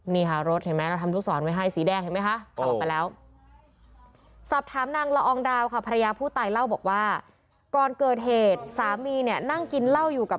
นี่ค่ะรถเห็นมั้ยเราทำลูกสอนไว้ให้สีแดงเห็นมั้ยคะ